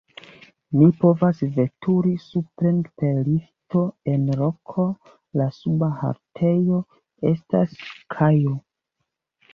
Ni povas veturi supren per lifto en roko, la suba haltejo estas kajo.